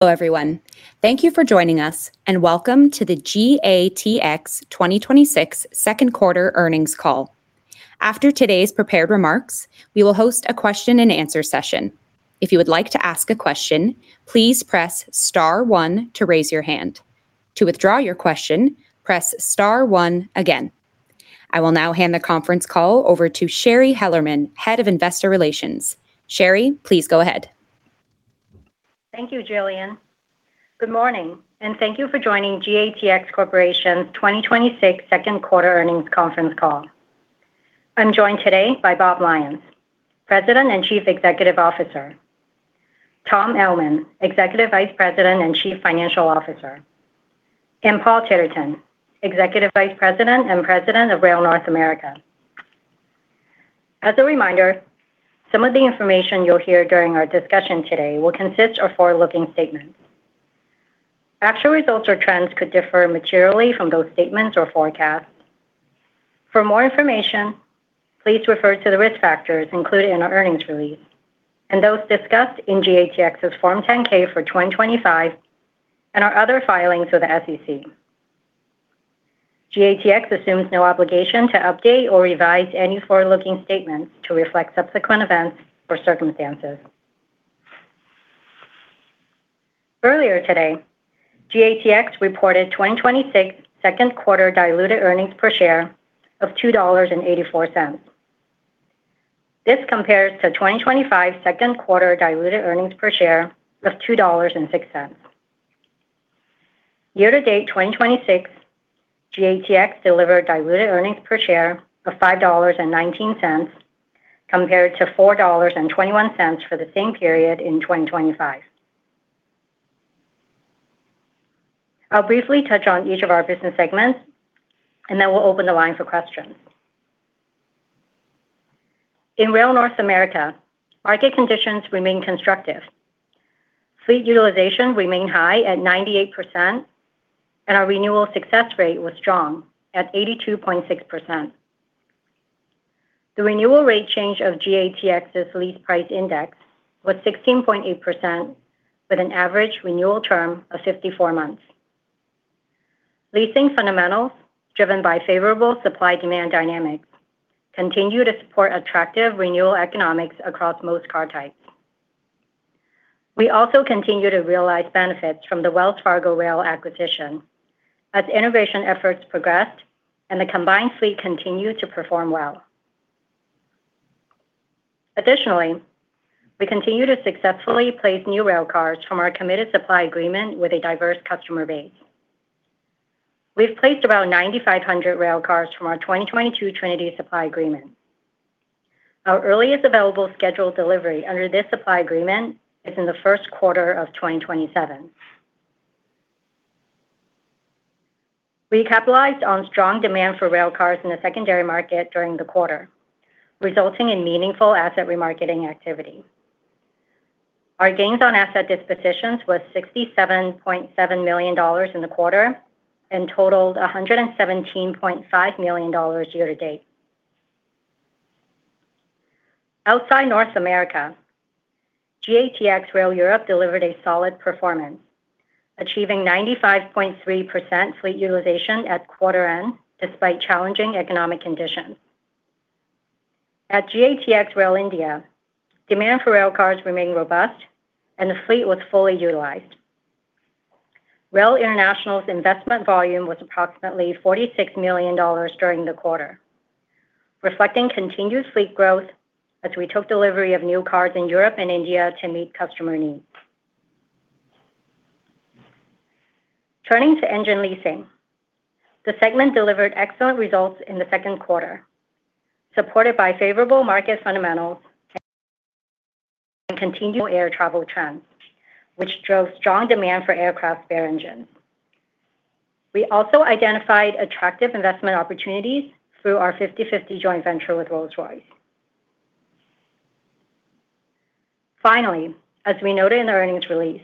Hello, everyone. Thank you for joining us, and welcome to the GATX 2026 second quarter earnings call. After today's prepared remarks, we will host a question and answer session. If you would like to ask a question, please press star one to raise your hand. To withdraw your question, press star one again. I will now hand the conference call over to Shari Hellerman, Head of Investor Relations. Shari, please go ahead. Thank you, Jillian. Good morning, and thank you for joining GATX Corporation's 2026 second quarter earnings conference call. I'm joined today by Robert Lyons, President and Chief Executive Officer, Tom Ellman, Executive Vice President and Chief Financial Officer, and Paul Titterton, Executive Vice President and President of Rail North America. As a reminder, some of the information you'll hear during our discussion today will consist of forward-looking statements. Actual results or trends could differ materially from those statements or forecasts. For more information, please refer to the risk factors included in our earnings release and those discussed in GATX's Form 10-K for 2025 and our other filings with the SEC. GATX assumes no obligation to update or revise any forward-looking statements to reflect subsequent events or circumstances. Earlier today, GATX reported 2026 second quarter diluted earnings per share of $2.84. This compares to 2025 second quarter diluted earnings per share of $2.06. Year to date 2026, GATX delivered diluted earnings per share of $5.19, compared to $4.21 for the same period in 2025. I'll briefly touch on each of our business segments, and then we'll open the line for questions. In Rail North America, market conditions remain constructive. Fleet utilization remained high at 98%, and our renewal success rate was strong at 82.6%. The renewal rate change of GATX's lease price index was 16.8%, with an average renewal term of 54 months. Leasing fundamentals, driven by favorable supply-demand dynamics, continue to support attractive renewal economics across most car types. We also continue to realize benefits from the Wells Fargo Rail acquisition as integration efforts progressed, and the combined fleet continued to perform well. Additionally, we continue to successfully place new rail cars from our committed supply agreement with a diverse customer base. We've placed around 9,500 rail cars from our 2022 Trinity supply agreement. Our earliest available scheduled delivery under this supply agreement is in the first quarter of 2027. We capitalized on strong demand for rail cars in the secondary market during the quarter, resulting in meaningful asset remarketing activity. Our gains on asset dispositions was $67.7 million in the quarter and totaled $117.5 million year to date. Outside North America, GATX Rail Europe delivered a solid performance, achieving 95.3% fleet utilization at quarter end, despite challenging economic conditions. At GATX Rail India, demand for rail cars remained robust, and the fleet was fully utilized. Rail International's investment volume was approximately $46 million during the quarter, reflecting continued fleet growth as we took delivery of new cars in Europe and India to meet customer needs. Turning to engine leasing, the segment delivered excellent results in the second quarter, supported by favorable market fundamentals and continual air travel trends, which drove strong demand for aircraft spare engines. We also identified attractive investment opportunities through our 50/50 joint venture with Rolls-Royce. Finally, as we noted in our earnings release,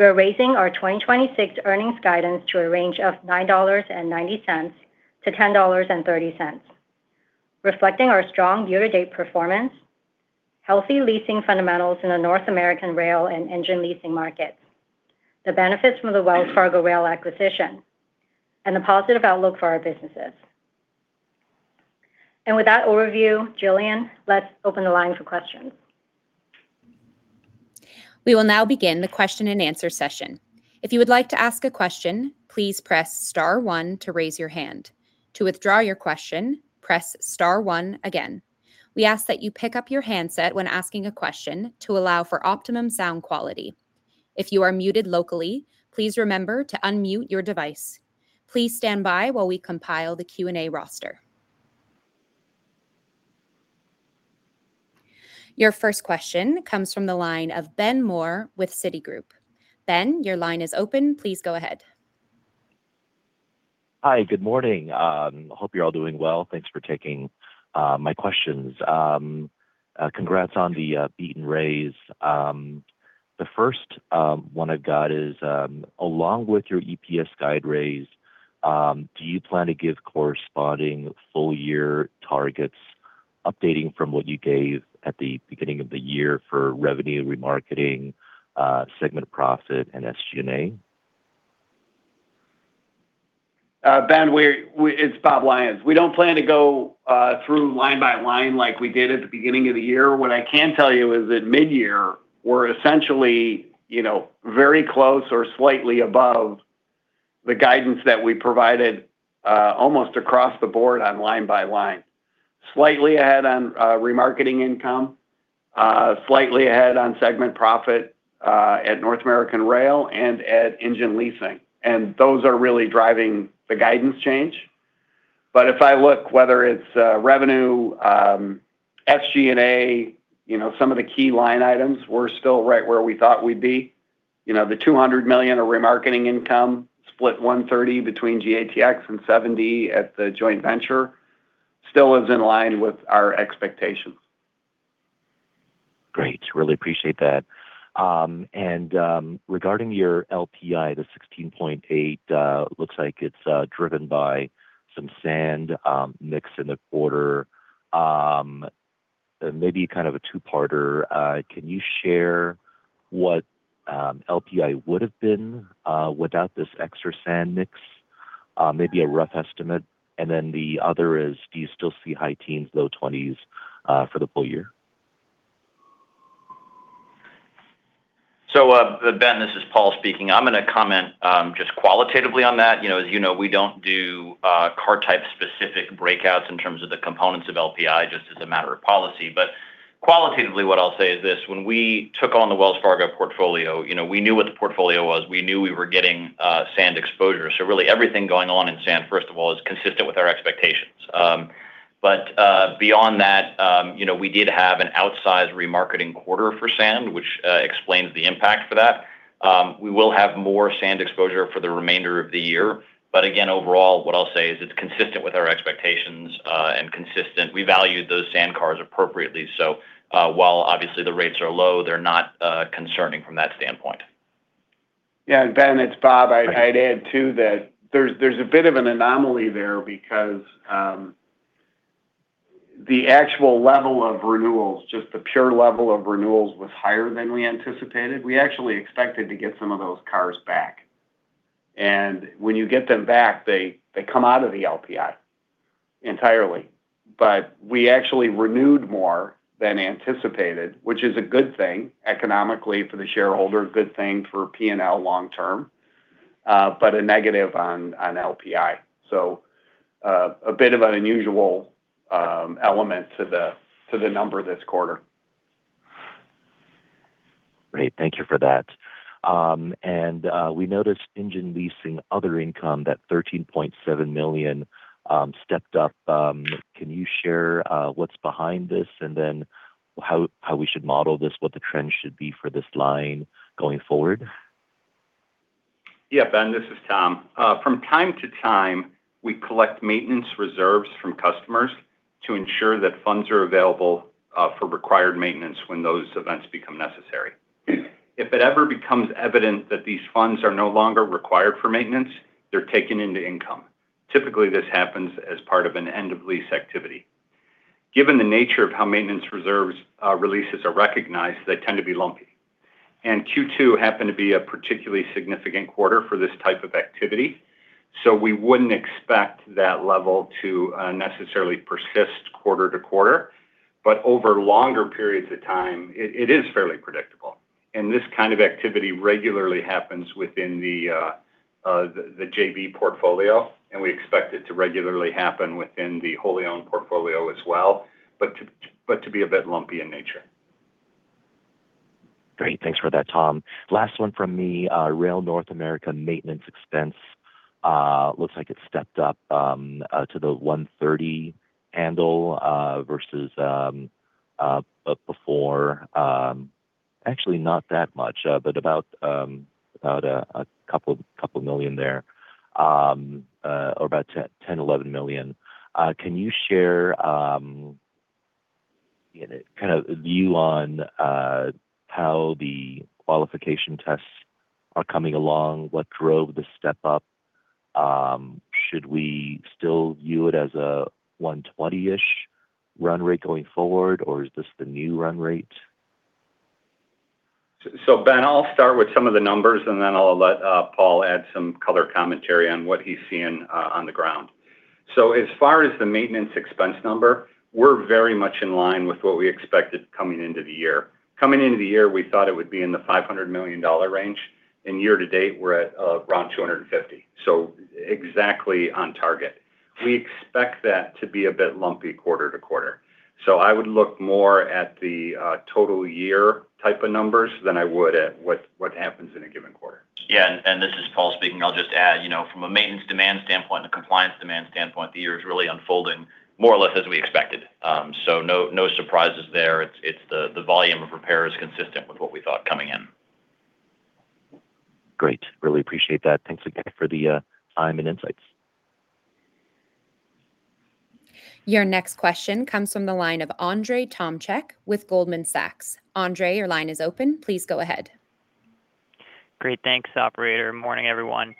we are raising our 2026 earnings guidance to a range of $9.90 to $10.30, reflecting our strong year-to-date performance, healthy leasing fundamentals in the Rail North America and engine leasing markets, the benefits from the Wells Fargo Rail acquisition, and the positive outlook for our businesses. With that overview, Jillian, let's open the line for questions. We will now begin the question and answer session. If you would like to ask a question, please press star one to raise your hand. To withdraw your question, press star one again. We ask that you pick up your handset when asking a question to allow for optimum sound quality. If you are muted locally, please remember to unmute your device. Please stand by while we compile the Q&A roster. Your first question comes from the line of Ben Moore with Citigroup. Ben, your line is open. Please go ahead. Hi, good morning. Hope you're all doing well. Thanks for taking my questions. Congrats on the beaten raise. The first one I've got is, along with your EPS guide raise, do you plan to give corresponding full year targets Updating from what you gave at the beginning of the year for revenue, remarketing, segment profit and SG&A. Ben, it's Bob Lyons. We don't plan to go through line by line like we did at the beginning of the year. What I can tell you is at mid-year, we're essentially very close or slightly above the guidance that we provided almost across the board on line by line. Slightly ahead on remarketing income, slightly ahead on segment profit, at Rail North America and at Engine Leasing. Those are really driving the guidance change. If I look whether it's revenue, SG&A, some of the key line items, we're still right where we thought we'd be. The $200 million of remarketing income split $130 between GATX and $70 at the joint venture still is in line with our expectations. Great. Really appreciate that. Regarding your LPI, the 16.8, looks like it's driven by some sand mix in the quarter. Maybe kind of a two-parter. Can you share what LPI would've been without this extra sand mix? Maybe a rough estimate. The other is, do you still see high teens, low 20s for the full year? Ben, this is Paul speaking. I'm going to comment just qualitatively on that. As you know, we don't do car type specific breakouts in terms of the components of LPI, just as a matter of policy. Qualitatively, what I'll say is this. When we took on the Wells Fargo portfolio, we knew what the portfolio was. We knew we were getting sand exposure. Really everything going on in sand, first of all, is consistent with our expectations. Beyond that, we did have an outsized remarketing quarter for sand, which explains the impact for that. We will have more sand exposure for the remainder of the year, but again, overall, what I'll say is it's consistent with our expectations and consistent. We valued those sand cars appropriately. While obviously the rates are low, they're not concerning from that standpoint. Yeah. Ben, it's Bob. I'd add, too, that there's a bit of an anomaly there because the actual level of renewals, just the pure level of renewals was higher than we anticipated. We actually expected to get some of those cars back. When you get them back, they come out of the LPI entirely. We actually renewed more than anticipated, which is a good thing economically for the shareholder, good thing for P&L long term, but a negative on LPI. A bit of an unusual element to the number this quarter. Great. Thank you for that. We noticed engine leasing other income, that $13.7 million stepped up. Can you share what's behind this? How we should model this, what the trend should be for this line going forward? Ben, this is Tom. From time to time, we collect maintenance reserves from customers to ensure that funds are available for required maintenance when those events become necessary. If it ever becomes evident that these funds are no longer required for maintenance, they're taken into income. Typically, this happens as part of an end of lease activity. Given the nature of how maintenance reserves releases are recognized, they tend to be lumpy. Q2 happened to be a particularly significant quarter for this type of activity, so we wouldn't expect that level to necessarily persist quarter to quarter. Over longer periods of time, it is fairly predictable, and this kind of activity regularly happens within the JV portfolio, and we expect it to regularly happen within the wholly owned portfolio as well, but to be a bit lumpy in nature. Great. Thanks for that, Tom. Last one from me. Rail North America maintenance expense looks like it stepped up to the 130 handle, versus before. Actually not that much, but about a couple million there, or about $10, $11 million. Can you share a view on how the qualification tests are coming along? What drove the step up? Should we still view it as a 120-ish run rate going forward, or is this the new run rate? Ben, I'll start with some of the numbers, and then I'll let Paul add some color commentary on what he's seeing on the ground. As far as the maintenance expense number, we're very much in line with what we expected coming into the year. Coming into the year, we thought it would be in the $500 million range, and year to date, we're at around $250. Exactly on target. We expect that to be a bit lumpy quarter to quarter. I would look more at the total year type of numbers than I would at what happens in a given quarter. Yeah, this is Paul speaking. I'll just add, from a maintenance demand standpoint and a compliance demand standpoint, the year is really unfolding more or less as we expected. No surprises there. It's the volume of repair is consistent with what we thought coming in. Great. Really appreciate that. Thanks again for the time and insights. Your next question comes from the line of Andrzej Tomczyk with Goldman Sachs. Andre, your line is open. Please go ahead. Great. Thanks, operator. Morning, everyone.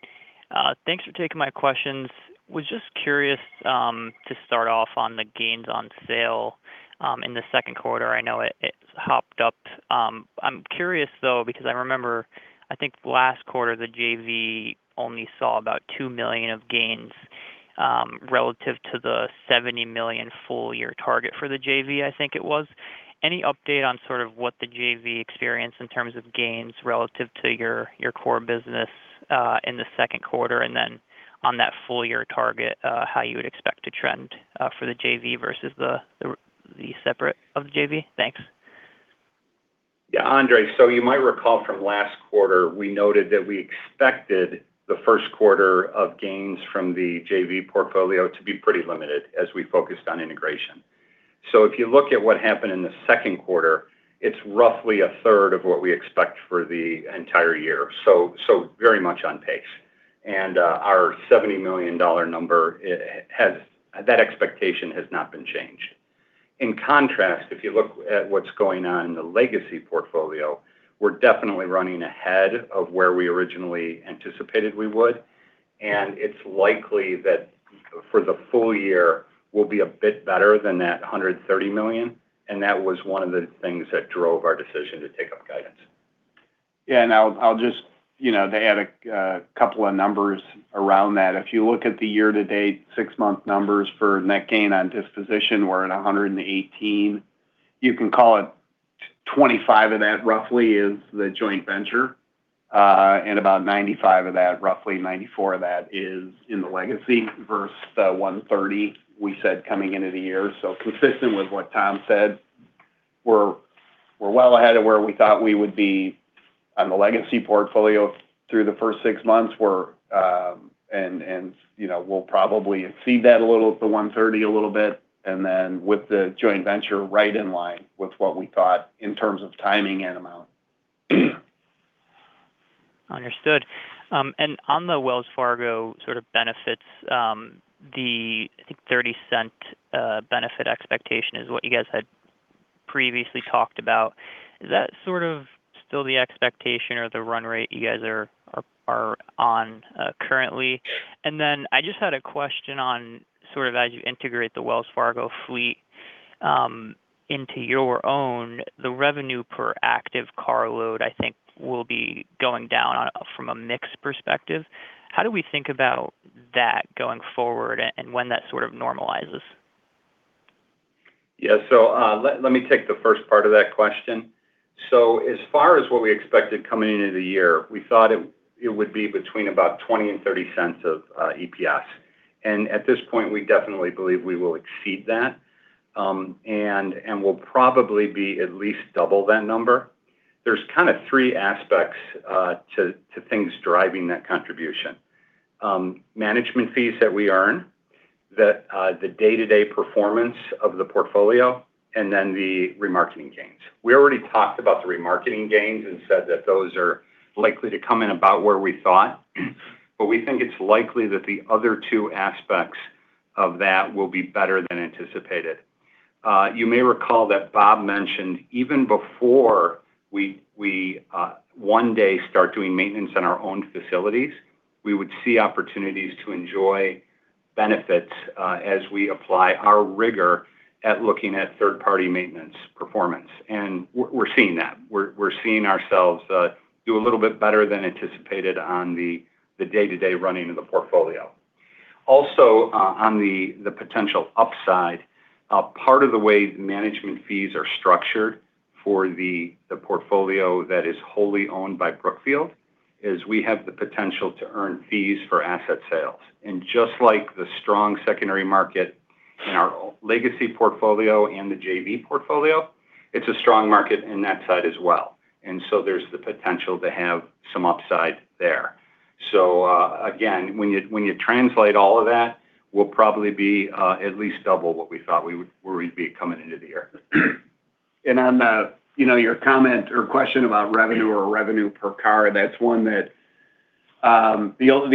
Thanks for taking my questions. I was just curious to start off on the gains on sale in the second quarter. I know it's hopped up. I'm curious though, because I remember, I think last quarter, the JV only saw about $2 million of gains, relative to the $70 million full year target for the JV, I think it was. Any update on sort of what the JV experience in terms of gains relative to your core business, in the second quarter, and then on that full year target, how you would expect to trend, for the JV versus the separate of the JV? Thanks. Yeah, Andre. You might recall from last quarter, we noted that we expected the first quarter of gains from the JV portfolio to be pretty limited as we focused on integration. If you look at what happened in the second quarter, it's roughly a third of what we expect for the entire year. Very much on pace. Our $70 million number, that expectation has not been changed. In contrast, if you look at what's going on in the legacy portfolio, we're definitely running ahead of where we originally anticipated we would, and it's likely that for the full year, we'll be a bit better than that $130 million, and that was one of the things that drove our decision to take up guidance. I'll just add a couple of numbers around that. If you look at the year-to-date, six-month numbers for net gain on disposition, we're at $118. You can call it $25 of that roughly is the joint venture. About $95 of that, roughly $94 of that is in the legacy versus the $130 we said coming into the year. Consistent with what Tom said, we're well ahead of where we thought we would be on the legacy portfolio through the first six months, and we'll probably exceed that a little, the $130 a little bit, and then with the joint venture right in line with what we thought in terms of timing and amount. Understood. On the Wells Fargo sort of benefits, the, I think, $0.30 benefit expectation is what you guys had previously talked about. Is that sort of still the expectation or the run rate you guys are on currently? Then I just had a question on sort of as you integrate the Wells Fargo fleet into your own, the revenue per active carload, I think will be going down from a mix perspective. How do we think about that going forward and when that sort of normalizes? Let me take the first part of that question. As far as what we expected coming into the year, we thought it would be between about $0.20 and $0.30 of EPS. At this point, we definitely believe we will exceed that. Will probably be at least double that number. There's kind of three aspects to things driving that contribution. Management fees that we earn, the day-to-day performance of the portfolio, then the remarketing gains. We already talked about the remarketing gains and said that those are likely to come in about where we thought, we think it's likely that the other two aspects of that will be better than anticipated. You may recall that Bob mentioned even before we one day start doing maintenance on our own facilities, we would see opportunities to enjoy benefits as we apply our rigor at looking at third-party maintenance performance. We're seeing that. We're seeing ourselves do a little bit better than anticipated on the day-to-day running of the portfolio. Also, on the potential upside, part of the way management fees are structured for the portfolio that is wholly owned by Brookfield is we have the potential to earn fees for asset sales. Just like the strong secondary market in our legacy portfolio and the JV portfolio, it's a strong market in that side as well. There's the potential to have some upside there. Again, when you translate all of that, we'll probably be at least double what we thought we'd be coming into the year. On your comment or question about revenue or revenue per car, the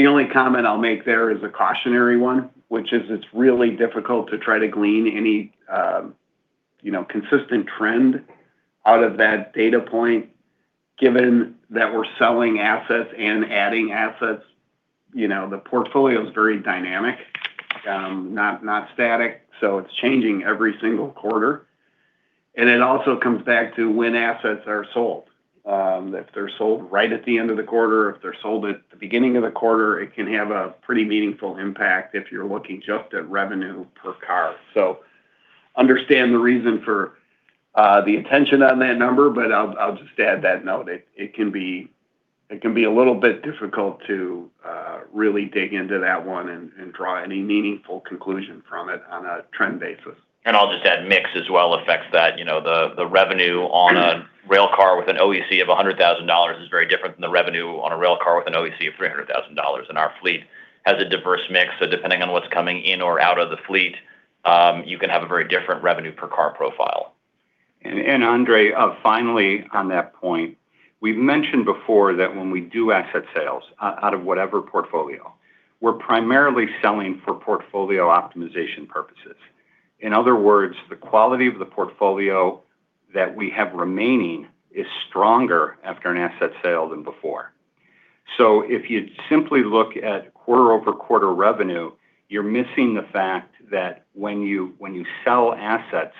only comment I'll make there is a cautionary one, which is it's really difficult to try to glean any consistent trend out of that data point, given that we're selling assets and adding assets. The portfolio's very dynamic, not static. It's changing every single quarter. It also comes back to when assets are sold. If they're sold right at the end of the quarter, if they're sold at the beginning of the quarter, it can have a pretty meaningful impact if you're looking just at revenue per car. Understand the reason for the attention on that number, but I'll just add that note. It can be a little bit difficult to really dig into that one and draw any meaningful conclusion from it on a trend basis. I'll just add mix as well affects that. The revenue on a rail car with an OEC of $100,000 is very different than the revenue on a rail car with an OEC of $300,000. Our fleet has a diverse mix, so depending on what's coming in or out of the fleet, you can have a very different revenue per car profile. Andrzej, finally on that point, we've mentioned before that when we do asset sales out of whatever portfolio, we're primarily selling for portfolio optimization purposes. In other words, the quality of the portfolio that we have remaining is stronger after an asset sale than before. If you simply look at quarter-over-quarter revenue, you're missing the fact that when you sell assets,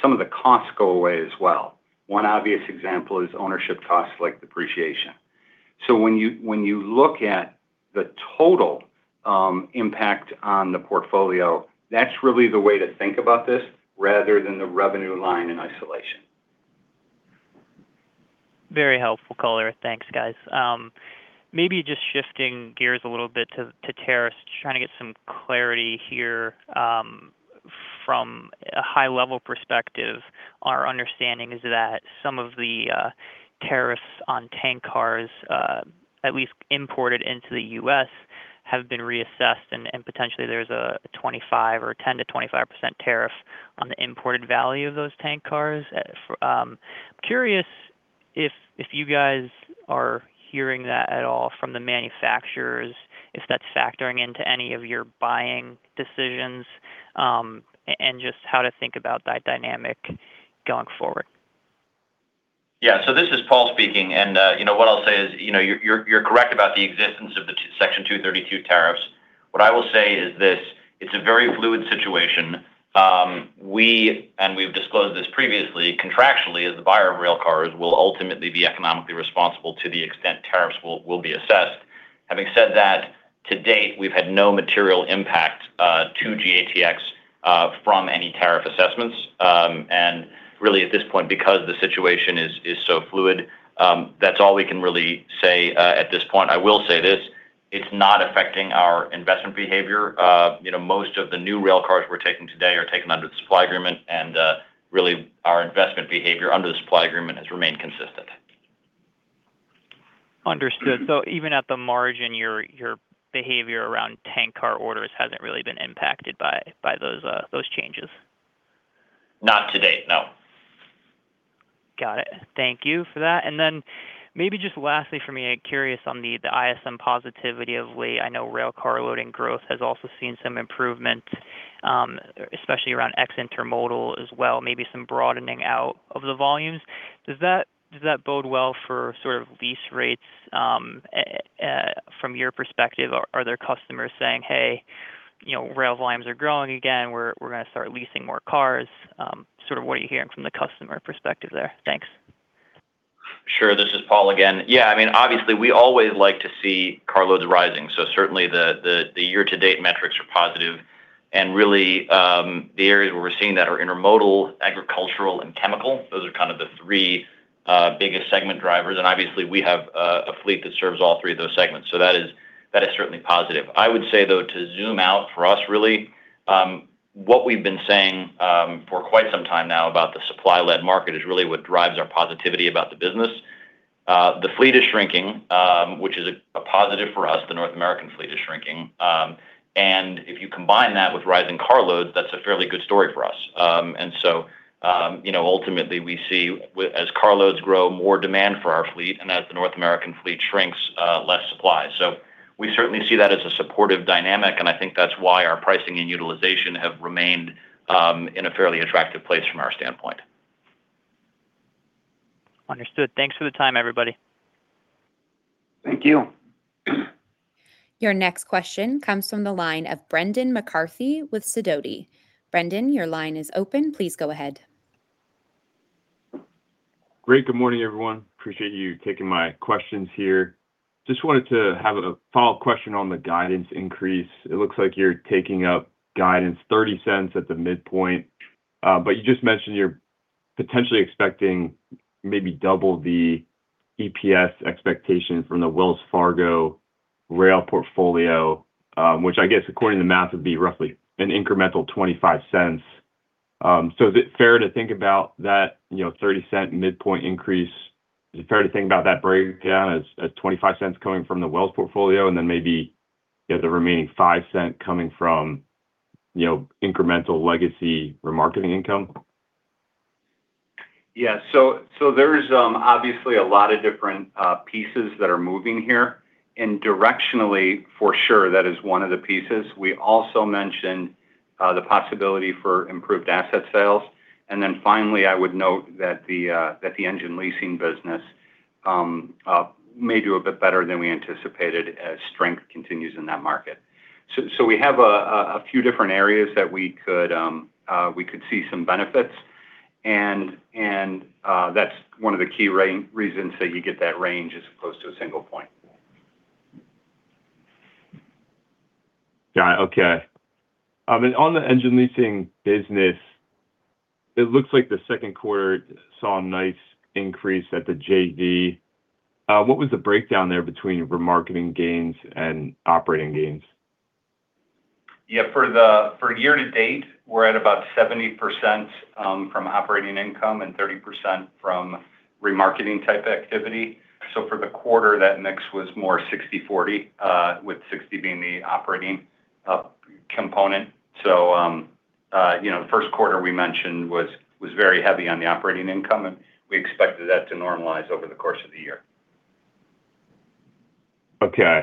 some of the costs go away as well. One obvious example is ownership costs like depreciation. When you look at the total impact on the portfolio, that's really the way to think about this, rather than the revenue line in isolation. Very helpful color. Thanks, guys. Maybe just shifting gears a little bit to tariffs. Trying to get some clarity here. From a high-level perspective, our understanding is that some of the tariffs on tank cars, at least imported into the U.S., have been reassessed, and potentially there's a 10%-25% tariff on the imported value of those tank cars. I'm curious if you guys are hearing that at all from the manufacturers, if that's factoring into any of your buying decisions, and just how to think about that dynamic going forward. This is Paul speaking, what I'll say is, you're correct about the existence of the Section 232 tariffs. What I will say is this, it's a very fluid situation. We, we've disclosed this previously, contractually as the buyer of railcars, will ultimately be economically responsible to the extent tariffs will be assessed. Having said that, to date, we've had no material impact to GATX from any tariff assessments. Really, at this point, because the situation is so fluid, that's all we can really say at this point. I will say this, it's not affecting our investment behavior. Most of the new railcars we're taking today are taken under the supply agreement, really, our investment behavior under the supply agreement has remained consistent. Understood. Even at the margin, your behavior around tank car orders hasn't really been impacted by those changes? Not to date, no. Got it. Thank you for that. Then maybe just lastly from me, I'm curious on the ISM positivity of late. I know rail car loading growth has also seen some improvement, especially around ex-intermodal as well, maybe some broadening out of the volumes. Does that bode well for sort of lease rates from your perspective? Are there customers saying, "Hey, rail volumes are growing again. We're going to start leasing more cars." Sort of what are you hearing from the customer perspective there? Thanks. Sure. This is Paul again. Yeah. Obviously, we always like to see car loads rising, certainly the year-to-date metrics are positive. Really, the areas where we're seeing that are intermodal, agricultural, and chemical. Those are kind of the three biggest segment drivers, Obviously, we have a fleet that serves all three of those segments, so that is certainly positive. I would say, though, to zoom out for us, really, what we've been saying for quite some time now about the supply-led market is really what drives our positivity about the business. The fleet is shrinking, which is a positive for us. The North American fleet is shrinking. If you combine that with rising car loads, that's a fairly good story for us. Ultimately, we see as car loads grow, more demand for our fleet, and as the North American fleet shrinks, less supply. We certainly see that as a supportive dynamic, I think that's why our pricing and utilization have remained in a fairly attractive place from our standpoint. Understood. Thanks for the time, everybody. Thank you. Your next question comes from the line of Brendan McCarthy with Sidoti. Brendan, your line is open. Please go ahead. Great. Good morning, everyone. Appreciate you taking my questions here. Just wanted to have a follow-up question on the guidance increase. It looks like you're taking up guidance $0.30 at the midpoint. You just mentioned you're potentially expecting maybe double the EPS expectation from the Wells Fargo Rail portfolio, which I guess according to the math would be roughly an incremental $0.25. Is it fair to think about that $0.30 midpoint increase, is it fair to think about that breakdown as $0.25 coming from the Wells portfolio and then maybe the remaining $0.05 coming from incremental legacy remarketing income? Yeah. There's obviously a lot of different pieces that are moving here, and directionally, for sure, that is one of the pieces. We also mentioned the possibility for improved asset sales. Finally, I would note that the engine leasing business may do a bit better than we anticipated as strength continues in that market. We have a few different areas that we could see some benefits, and that's one of the key reasons that you get that range as close to a single point. Got it. Okay. On the engine leasing business, it looks like the second quarter saw a nice increase at the JV. What was the breakdown there between remarketing gains and operating gains? Yeah. For year-to-date, we're at about 70% from operating income and 30% from remarketing type activity. For the quarter, that mix was more 60/40, with 60 being the operating component. The first quarter we mentioned was very heavy on the operating income, and we expected that to normalize over the course of the year. Okay.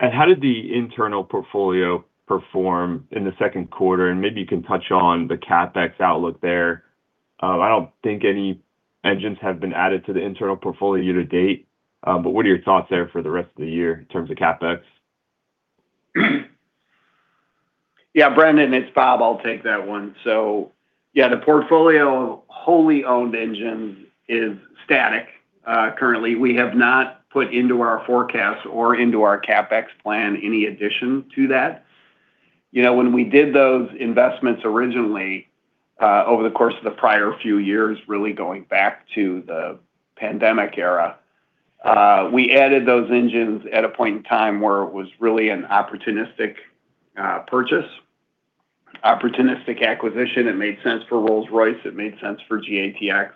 How did the internal portfolio perform in the second quarter? Maybe you can touch on the CapEx outlook there. I don't think any engines have been added to the internal portfolio year-to-date, what are your thoughts there for the rest of the year in terms of CapEx? Yeah, Brendan, it's Bob. I'll take that one. Yeah, the portfolio of wholly owned engines is static. Currently, we have not put into our forecast or into our CapEx plan any addition to that. When we did those investments originally, over the course of the prior few years, really going back to the pandemic era, we added those engines at a point in time where it was really an opportunistic purchase, opportunistic acquisition. It made sense for Rolls-Royce, it made sense for GATX.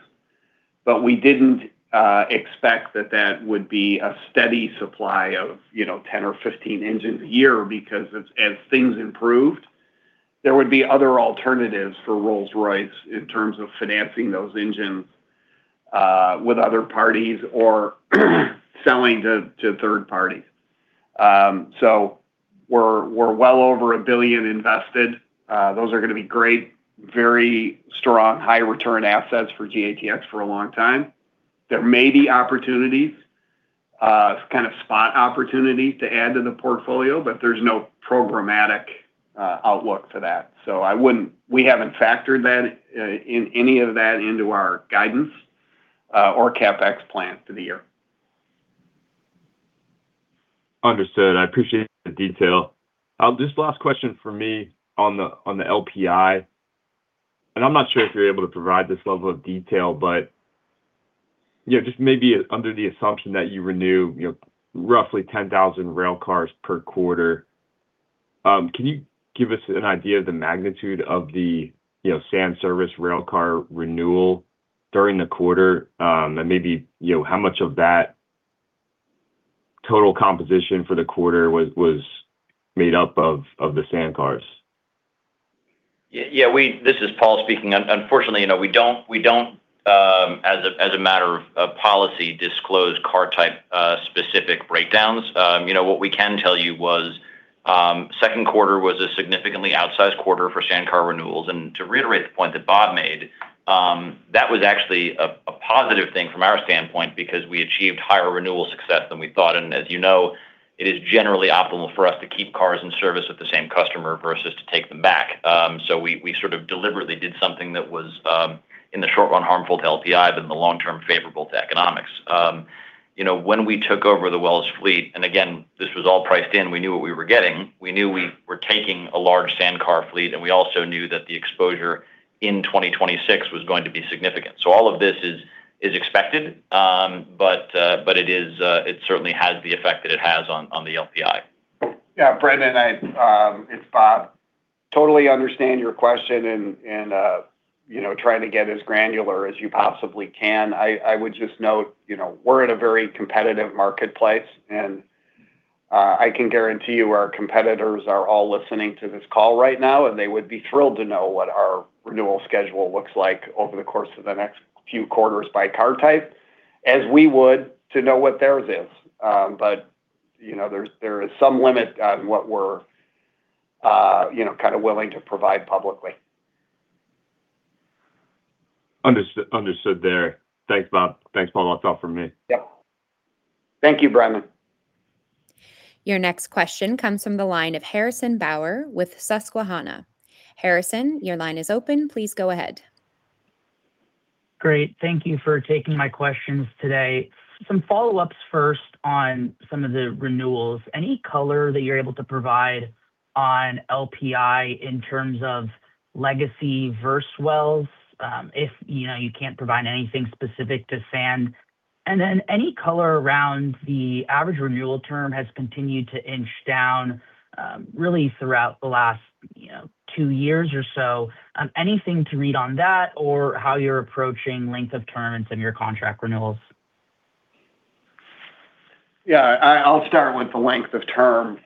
We didn't expect that that would be a steady supply of 10 or 15 engines a year because as things improved, there would be other alternatives for Rolls-Royce in terms of financing those engines with other parties or selling to third parties. We're well over $1 billion invested. Those are going to be great, very strong, high return assets for GATX for a long time. There may be opportunities, kind of spot opportunities to add to the portfolio, but there's no programmatic outlook for that. We haven't factored any of that into our guidance or CapEx plans for the year. Understood. I appreciate the detail. Just last question from me on the LPI, and I'm not sure if you're able to provide this level of detail, but just maybe under the assumption that you renew roughly 10,000 rail cars per quarter, can you give us an idea of the magnitude of the sand service rail car renewal during the quarter? Maybe how much of that total composition for the quarter was made up of the sand cars? Yeah. This is Paul speaking. Unfortunately, we don't, as a matter of policy, disclose car type specific breakdowns. What we can tell you was second quarter was a significantly outsized quarter for sand car renewals. To reiterate the point that Bob made, that was actually a positive thing from our standpoint because we achieved higher renewal success than we thought. As you know, it is generally optimal for us to keep cars in service with the same customer versus to take them back. We sort of deliberately did something that was, in the short run, harmful to LPI, but in the long term, favorable to economics. When we took over the Wells fleet, and again, this was all priced in, we knew what we were getting. We knew we were taking a large sand car fleet, and we also knew that the exposure in 2026 was going to be significant. All of this is expected, but it certainly has the effect that it has on the LPI. Yeah, Brendan. It's Bob. Totally understand your question and trying to get as granular as you possibly can. I would just note, we're in a very competitive marketplace, and I can guarantee you our competitors are all listening to this call right now, and they would be thrilled to know what our renewal schedule looks like over the course of the next few quarters by car type, as we would to know what theirs is. There is some limit on what we're willing to provide publicly. Understood there. Thanks, Bob. That's all from me. Yep. Thank you, Brendan. Your next question comes from the line of Harrison Bauer with Susquehanna. Harrison, your line is open. Please go ahead. Great. Thank you for taking my questions today. Some follow-ups first on some of the renewals. Any color that you're able to provide on LPI in terms of legacy versus Wells, if you can't provide anything specific to sand? Any color around the average renewal term has continued to inch down, really throughout the last two years or so. Anything to read on that or how you're approaching length of terms in your contract renewals? Yeah. I'll start with the length of term.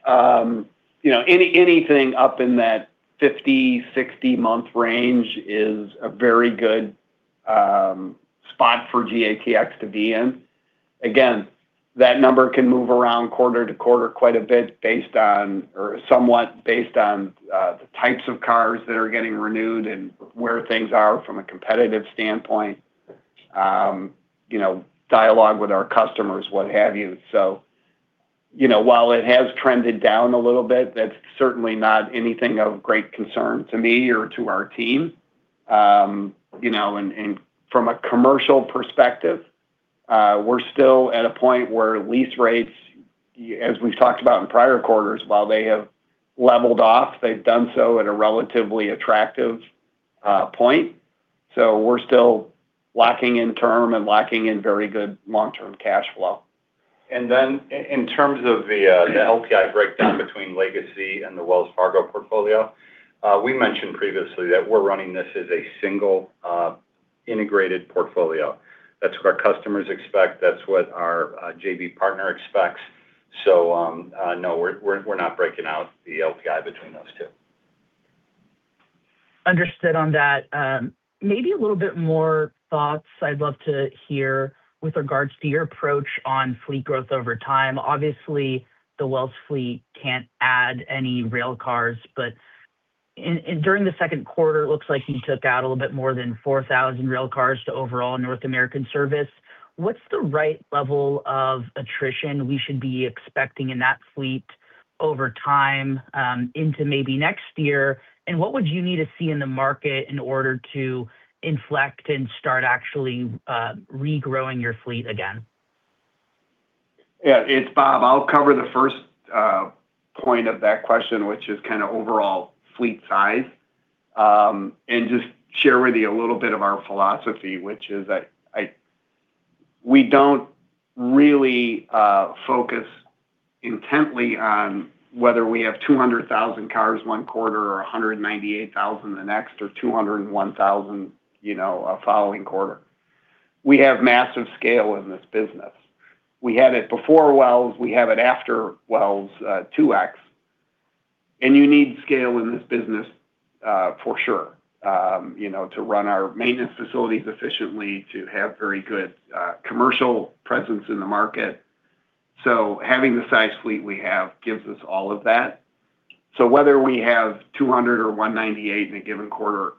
Anything up in that 50, 60 month range is a very good spot for GATX to be in. Again, that number can move around quarter-to-quarter quite a bit based on, or somewhat based on, the types of cars that are getting renewed and where things are from a competitive standpoint, dialogue with our customers, what have you. While it has trended down a little bit, that's certainly not anything of great concern to me or to our team. From a commercial perspective, we're still at a point where lease rates, as we've talked about in prior quarters, while they have leveled off, they've done so at a relatively attractive point. We're still lacking in term and lacking in very good long-term cash flow. In terms of the LPI breakdown between legacy and the Wells Fargo portfolio, we mentioned previously that we're running this as a single integrated portfolio. That's what our customers expect. That's what our JV partner expects. No, we're not breaking out the LPI between those two. Understood on that. Maybe a little bit more thoughts I'd love to hear with regards to your approach on fleet growth over time. Obviously, the Wells fleet can't add any rail cars, but during the second quarter, it looks like you took out a little bit more than 4,000 rail cars to overall Rail North America service. What's the right level of attrition we should be expecting in that fleet over time into maybe next year? What would you need to see in the market in order to inflect and start actually regrowing your fleet again? It's Bob. I'll cover the first point of that question, which is kind of overall fleet size, and just share with you a little bit of our philosophy, which is we don't really focus intently on whether we have 200,000 cars one quarter or 198,000 the next or 201,000 a following quarter. We have massive scale in this business. We had it before Wells, we have it after Wells 2x. You need scale in this business for sure to run our maintenance facilities efficiently, to have very good commercial presence in the market. Having the size fleet we have gives us all of that. Whether we have 200 or 198 in a given quarter,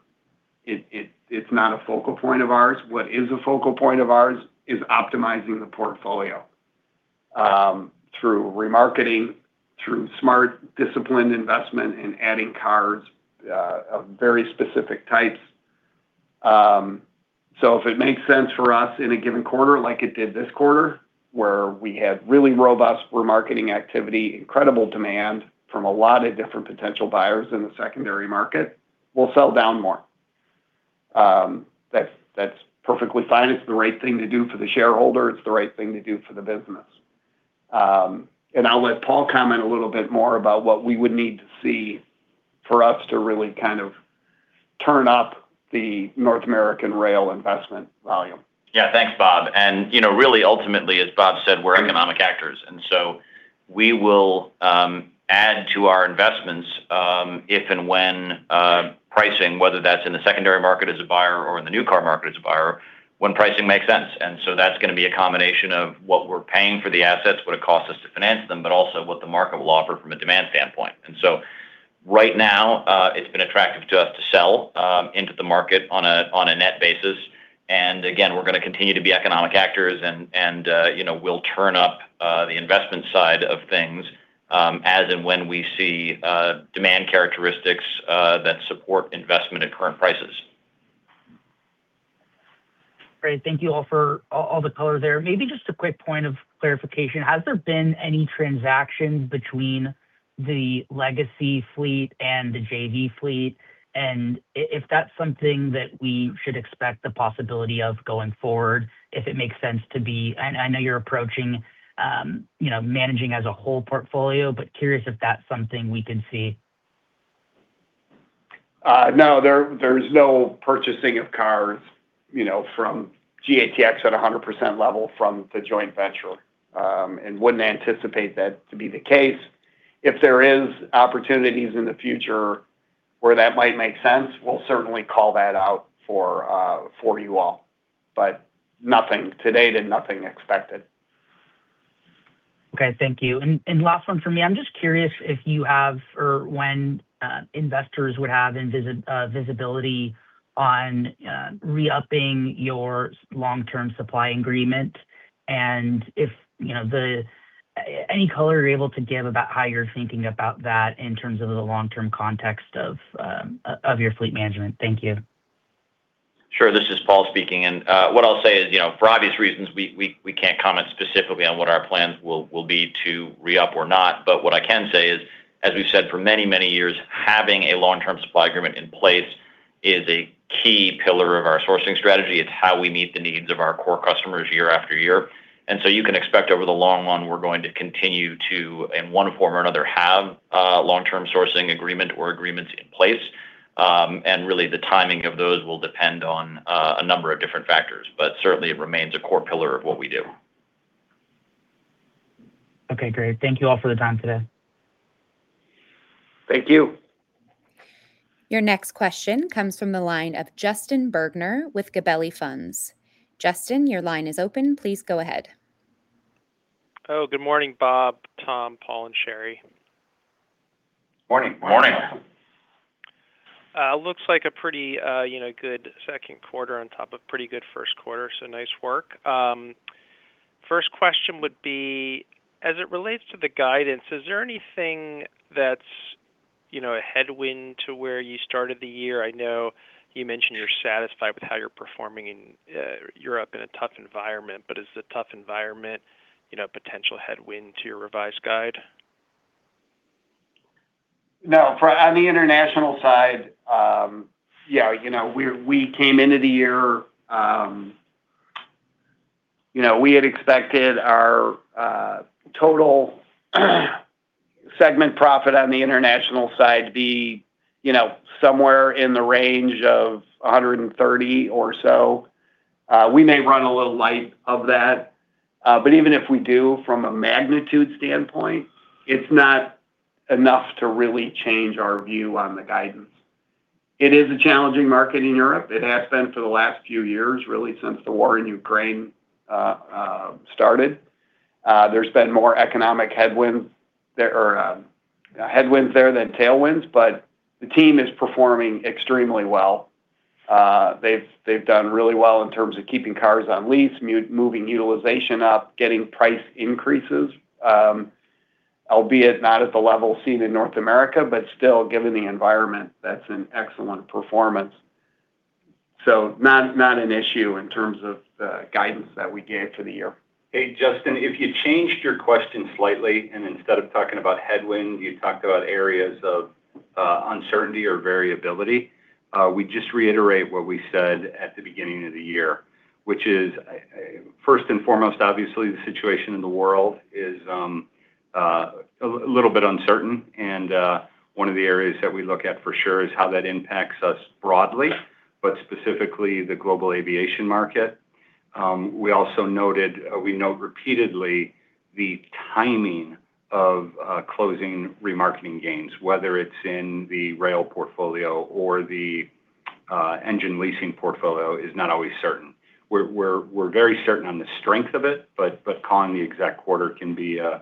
it's not a focal point of ours. What is a focal point of ours is optimizing the portfolio, through remarketing, through smart, disciplined investment in adding cars of very specific types. If it makes sense for us in a given quarter, like it did this quarter, where we had really robust remarketing activity, incredible demand from a lot of different potential buyers in the secondary market, we'll sell down more. That's perfectly fine. It's the right thing to do for the shareholder. It's the right thing to do for the business. I'll let Paul comment a little bit more about what we would need to see for us to really kind of turn up the North American rail investment volume. Thanks, Bob. Really ultimately, as Bob said, we're economic actors. We will add to our investments if and when pricing, whether that's in the secondary market as a buyer or in the new car market as a buyer, when pricing makes sense. That's going to be a combination of what we're paying for the assets, what it costs us to finance them, but also what the market will offer from a demand standpoint. Right now, it's been attractive to us to sell into the market on a net basis. Again, we're going to continue to be economic actors and we'll turn up the investment side of things as and when we see demand characteristics that support investment at current prices. Great. Thank you all for all the color there. Maybe just a quick point of clarification. Has there been any transactions between the legacy fleet and the JV fleet? If that's something that we should expect the possibility of going forward, I know you're approaching managing as a whole portfolio, but curious if that's something we can see. No. There's no purchasing of cars from GATX at 100% level from the joint venture, and wouldn't anticipate that to be the case. If there is opportunities in the future where that might make sense, we'll certainly call that out for you all. Nothing today, and nothing expected. Okay. Thank you. Last one from me. I'm just curious if you have, or when investors would have visibility on re-upping your long-term supply agreement, and if any color you're able to give about how you're thinking about that in terms of the long-term context of your fleet management. Thank you. Sure. This is Paul speaking. What I'll say is, for obvious reasons, we can't comment specifically on what our plans will be to re-up or not. What I can say is, as we've said for many, many years, having a long-term supply agreement in place is a key pillar of our sourcing strategy. It's how we meet the needs of our core customers year after year. You can expect over the long run, we're going to continue to, in one form or another, have a long-term sourcing agreement or agreements in place. Really the timing of those will depend on a number of different factors. Certainly it remains a core pillar of what we do. Okay, great. Thank you all for the time today. Thank you. Your next question comes from the line of Justin Bergner with Gabelli Funds. Justin, your line is open. Please go ahead. Hello. Good morning, Bob, Tom, Paul, and Shari. Morning. Morning. Looks like a pretty good second quarter on top of pretty good first quarter, nice work. First question would be, as it relates to the guidance, is there anything that's a headwind to where you started the year? I know you mentioned you're satisfied with how you're performing in Europe in a tough environment, but is the tough environment a potential headwind to your revised guide? On the international side, we had expected our total segment profit on the international side to be somewhere in the range of $130 or so. We may run a little light of that. Even if we do, from a magnitude standpoint, it's not enough to really change our view on the guidance. It is a challenging market in Europe. It has been for the last few years, really since the war in Ukraine started. There's been more economic headwinds there than tailwinds, but the team is performing extremely well. They've done really well in terms of keeping cars on lease, moving utilization up, getting price increases, albeit not at the level seen in North America, but still, given the environment, that's an excellent performance. Not an issue in terms of the guidance that we gave for the year. Hey, Justin, if you changed your question slightly, and instead of talking about headwind, you talked about areas of uncertainty or variability, we'd just reiterate what we said at the beginning of the year, which is, first and foremost, obviously, the situation in the world is a little bit uncertain, and one of the areas that we look at for sure is how that impacts us broadly, but specifically the global aviation market. We also note repeatedly the timing of closing remarketing gains, whether it's in the rail portfolio or the engine leasing portfolio, is not always certain. We're very certain on the strength of it, but calling the exact quarter can be a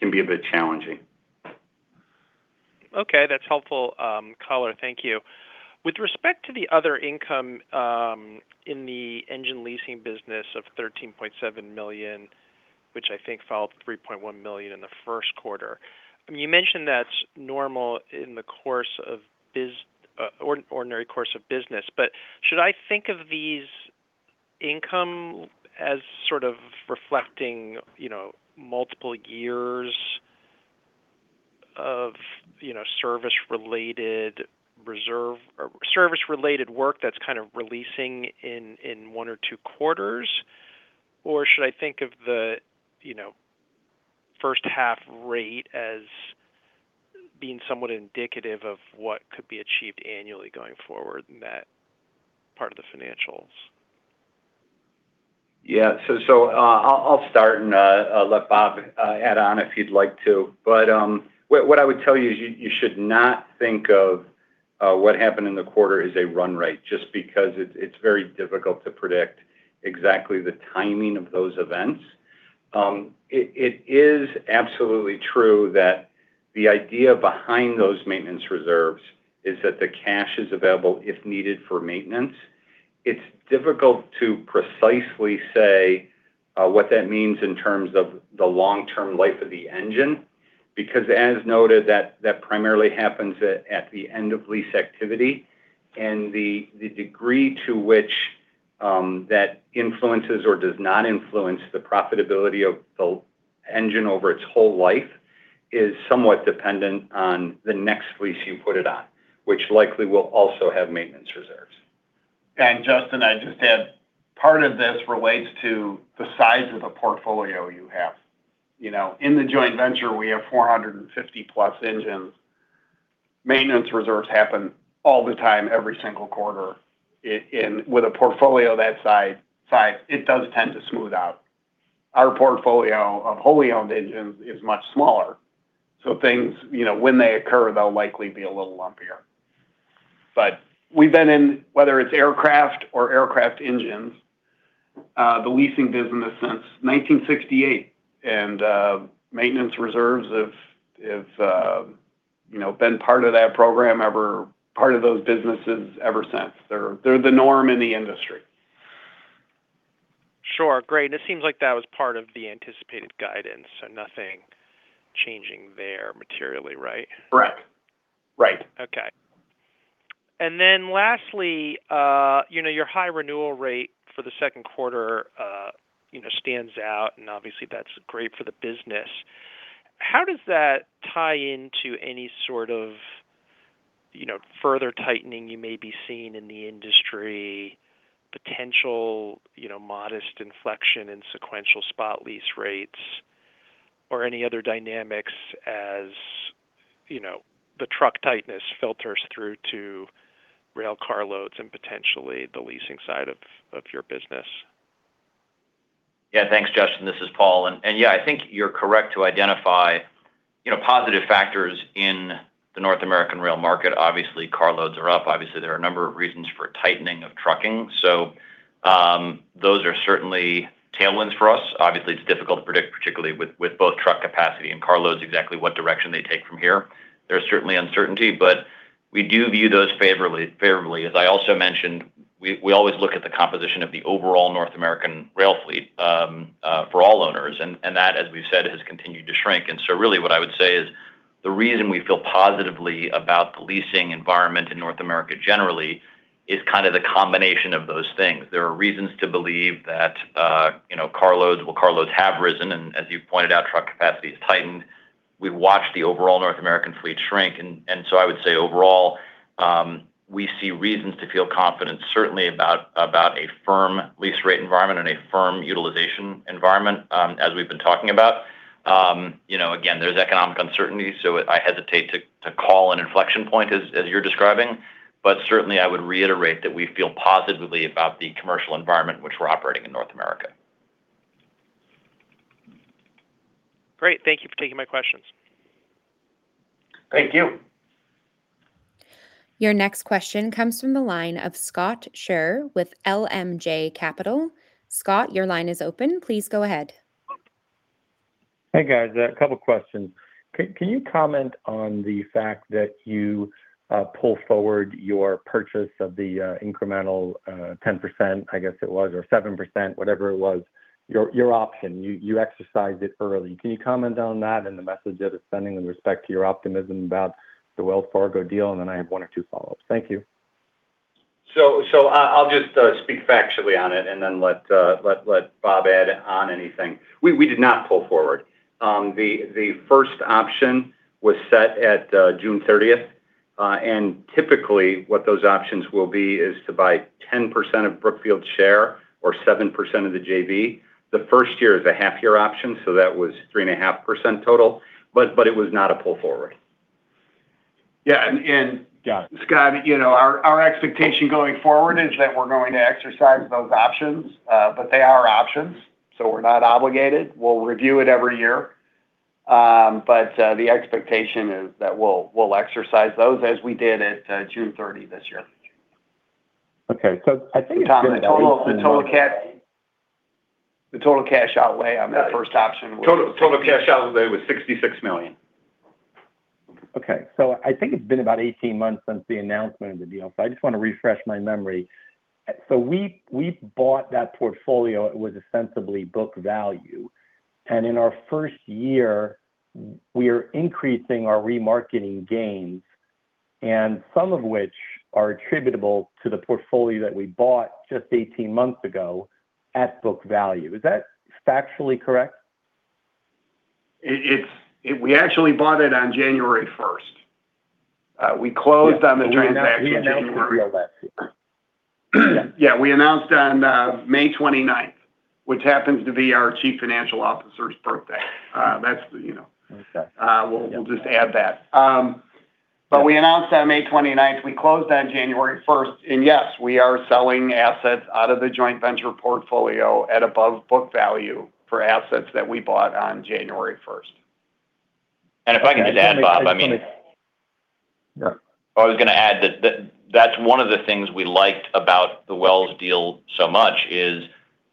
bit challenging. Okay, that's helpful, caller. Thank you. With respect to the other income in the engine leasing business of $13.7 million, which I think followed $3.1 million in the first quarter, you mentioned that's normal in the ordinary course of business, but should I think of these income as sort of reflecting multiple years of service-related work that's kind of releasing in one or two quarters? Or should I think of the first half rate as being somewhat indicative of what could be achieved annually going forward in that part of the financials? Yeah. I'll start and let Bob add on if he'd like to. What I would tell you is you should not think of what happened in the quarter as a run rate, just because it's very difficult to predict exactly the timing of those events. It is absolutely true that the idea behind those maintenance reserves is that the cash is available if needed for maintenance. It's difficult to precisely say what that means in terms of the long-term life of the engine, because as noted, that primarily happens at the end of lease activity. The degree to which that influences or does not influence the profitability of the engine over its whole life is somewhat dependent on the next lease you put it on, which likely will also have maintenance reserves. Justin, I'd just add, part of this relates to the size of the portfolio you have. In the joint venture, we have 450+ engines. Maintenance reserves happen all the time, every single quarter. With a portfolio that size, it does tend to smooth out. Our portfolio of wholly owned engines is much smaller, things, when they occur, they'll likely be a little lumpier. We've been in, whether it's aircraft or aircraft engines, the leasing business since 1968. Maintenance reserves have been part of that program, part of those businesses ever since. They're the norm in the industry. Sure. Great. It seems like that was part of the anticipated guidance, so nothing changing there materially, right? Correct. Right. Okay. Lastly, your high renewal rate for the second quarter stands out, and obviously that's great for the business. How does that tie into any sort of further tightening you may be seeing in the industry, potential modest inflection in sequential spot lease rates, or any other dynamics as the truck tightness filters through to rail car loads and potentially the leasing side of your business? Yeah. Thanks, Justin. This is Paul. I think you're correct to identify positive factors in the North American rail market. Obviously, car loads are up. Obviously, there are a number of reasons for a tightening of trucking. Those are certainly tailwinds for us. Obviously, it's difficult to predict, particularly with both truck capacity and car loads, exactly what direction they take from here. There's certainly uncertainty, but we do view those favorably. As I also mentioned, we always look at the composition of the overall North American rail fleet, for all owners, and that, as we've said, has continued to shrink. Really what I would say is the reason we feel positively about the leasing environment in North America generally is kind of the combination of those things. There are reasons to believe that car loads have risen, and as you pointed out, truck capacity has tightened. We've watched the overall North American fleet shrink. I would say overall, we see reasons to feel confident, certainly about a firm lease rate environment and a firm utilization environment, as we've been talking about. Again, there's economic uncertainty, so I hesitate to call an inflection point as you're describing, but certainly, I would reiterate that we feel positively about the commercial environment which we're operating in North America. Great. Thank you for taking my questions. Thank you. Your next question comes from the line of Scott Sher with LMJ Capital. Scott, your line is open. Please go ahead. Hey, guys. A couple questions. Can you comment on the fact that you pulled forward your purchase of the incremental 10%, I guess it was, or 7%, whatever it was, your option? You exercised it early. Can you comment on that and the message that it's sending with respect to your optimism about the Wells Fargo deal? Then I have one or two follow-ups. Thank you. I'll just speak factually on it and then let Bob add on anything. We did not pull forward. The first option was set at June 30th, and typically what those options will be is to buy 10% of Brookfield's share or 7% of the JV. The first year is a half-year option, so that was 3.5% total. It was not a pull forward. Yeah. Got it. Scott, our expectation going forward is that we're going to exercise those options. They are options, so we're not obligated. We'll review it every year. The expectation is that we'll exercise those as we did at June 30 this year. Okay. I think. Total cash outlay was $66 million. Okay. I think it's been about 18 months since the announcement of the deal. I just want to refresh my memory. We bought that portfolio, it was ostensibly book value. In our first year, we are increasing our remarketing gains and some of which are attributable to the portfolio that we bought just 18 months ago at book value. Is that factually correct? We actually bought it on January 1st. We announced the deal that year. Yeah. We announced on May 29th, which happens to be our Chief Financial Officer's birthday. Okay. We'll just add that. We announced on May 29th. We closed on January 1st. Yes, we are selling assets out of the joint venture portfolio at above book value for assets that we bought on January 1st. If I can just add, Bob, I was going to add that that's one of the things we liked about the Wells deal so much is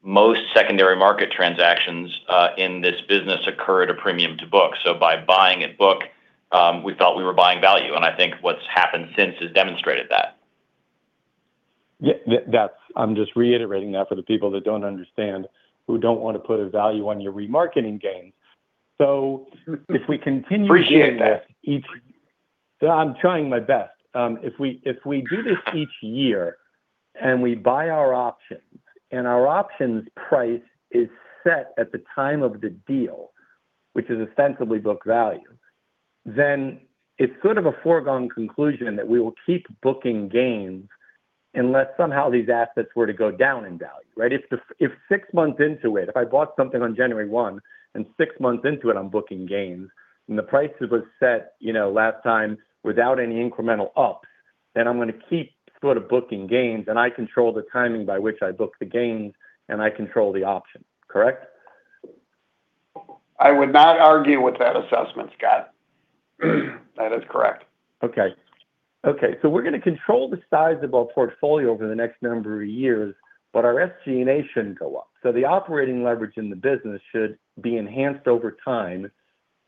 most secondary market transactions in this business occur at a premium to book. By buying at book, we thought we were buying value, and I think what's happened since has demonstrated that. Yeah. I'm just reiterating that for the people that don't understand, who don't want to put a value on your remarketing gains. Appreciate that. I'm trying my best. If we do this each year, and we buy our options, and our options price is set at the time of the deal, which is ostensibly book value, then it's sort of a foregone conclusion that we will keep booking gains unless somehow these assets were to go down in value. Right? If six months into it, if I bought something on January 1, and six months into it I'm booking gains, and the price was set last time without any incremental up, then I'm going to keep sort of booking gains, and I control the timing by which I book the gains, and I control the option. Correct? I would not argue with that assessment, Scott. That is correct. Okay. We're going to control the size of our portfolio over the next number of years, but our SG&A shouldn't go up. The operating leverage in the business should be enhanced over time,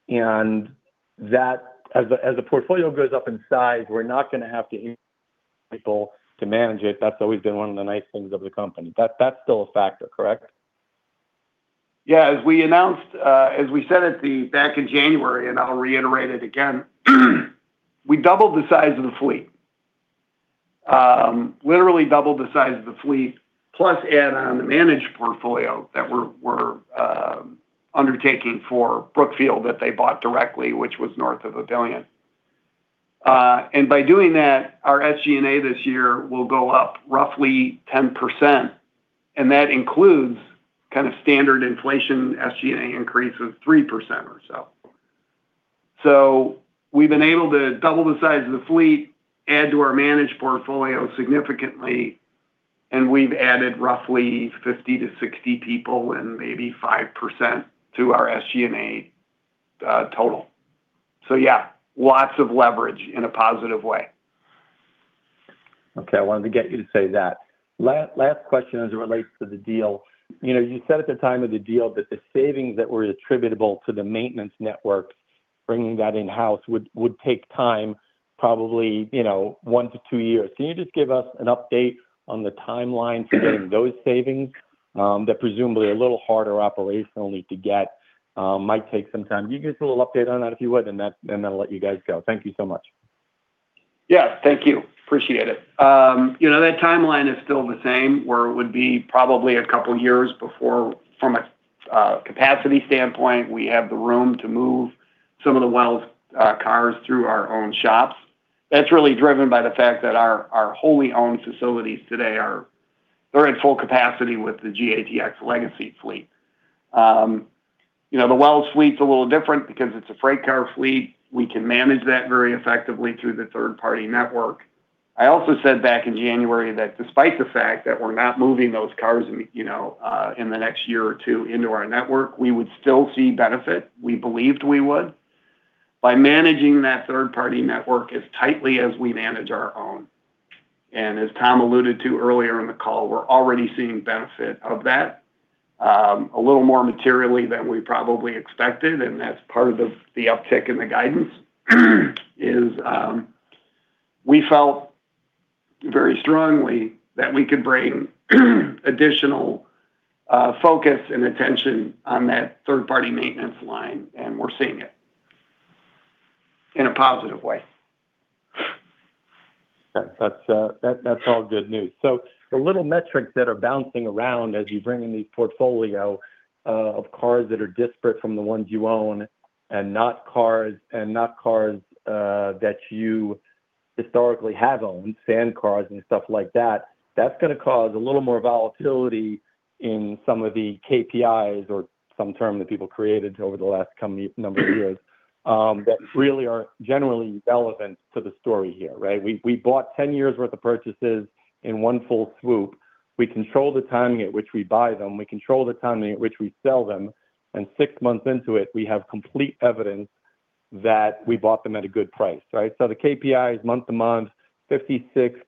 and that as the portfolio goes up in size, we're not going to have to increase people to manage it. That's always been one of the nice things of the company. That's still a factor, correct? As we said back in January, I'll reiterate it again, we doubled the size of the fleet. Literally doubled the size of the fleet, plus add on the managed portfolio that we're undertaking for Brookfield that they bought directly, which was north of $1 billion. By doing that, our SG&A this year will go up roughly 10%, that includes kind of standard inflation SG&A increase of 3% or so. We've been able to double the size of the fleet, add to our managed portfolio significantly, and we've added roughly 50-60 people and maybe 5% to our SG&A total. Lots of leverage in a positive way. I wanted to get you to say that. Last question as it relates to the deal. You said at the time of the deal that the savings that were attributable to the maintenance network, bringing that in-house, would take time, probably one to two years. Can you just give us an update on the timeline to getting those savings that presumably are a little harder operationally to get, might take some time? Can you give us a little update on that, if you would, that'll let you guys go. Thank you so much. Thank you. Appreciate it. That timeline is still the same, where it would be probably a couple of years before from a capacity standpoint, we have the room to move some of the Wells cars through our own shops. That's really driven by the fact that our wholly owned facilities today are at full capacity with the GATX legacy fleet. The Wells fleet's a little different because it's a freight car fleet. We can manage that very effectively through the third-party network. I also said back in January that despite the fact that we're not moving those cars in the next one or two years into our network, we would still see benefit. We believed we would, by managing that third-party network as tightly as we manage our own. As Tom alluded to earlier in the call, we're already seeing benefit of that, a little more materially than we probably expected, that's part of the uptick in the guidance is we felt very strongly that we could bring additional focus and attention on that third-party maintenance line, we're seeing it in a positive way. That's all good news. The little metrics that are bouncing around as you bring in the portfolio of cars that are disparate from the ones you own, and not cars that you historically have owned, sand cars and stuff like that's going to cause a little more volatility in some of the KPIs or some term that people created over the last number of years, that really are generally relevant to the story here, right? We bought 10 years worth of purchases in one fell swoop. We control the timing at which we buy them, we control the timing at which we sell them, and 6 months into it, we have complete evidence that we bought them at a good price. Right? The KPIs month to month, 56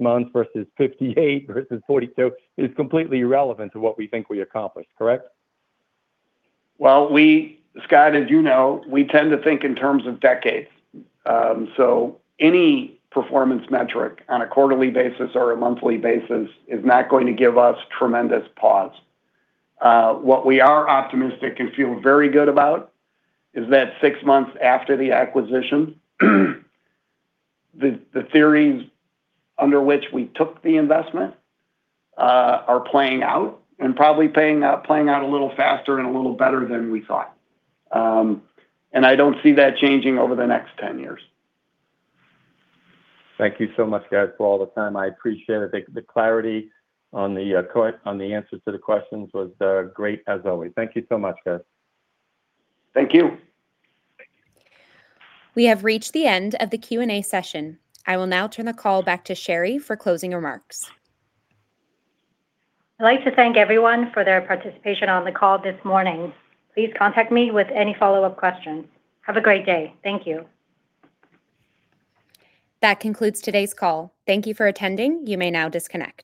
months versus 58 versus 42, is completely irrelevant to what we think we accomplished. Correct? Well, Scott, as you know, we tend to think in terms of decades. Any performance metric on a quarterly basis or a monthly basis is not going to give us tremendous pause. What we are optimistic and feel very good about is that six months after the acquisition, the theories under which we took the investment are playing out, and probably playing out a little faster and a little better than we thought. I don't see that changing over the next 10 years. Thank you so much, guys, for all the time. I appreciate it. The clarity on the answers to the questions was great as always. Thank you so much, guys. Thank you. We have reached the end of the Q&A session. I will now turn the call back to Shari for closing remarks. I'd like to thank everyone for their participation on the call this morning. Please contact me with any follow-up questions. Have a great day. Thank you. That concludes today's call. Thank you for attending. You may now disconnect.